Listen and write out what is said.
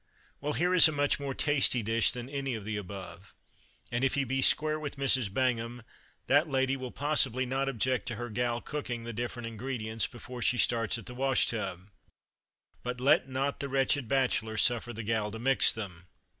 Well, here is a much more tasty dish than any of the above; and if he be "square" with Mrs. Bangham, that lady will possibly not object to her "gal" cooking the different ingredients before she starts at the wash tub. But let not the wretched bachelor suffer the "gal" to mix them.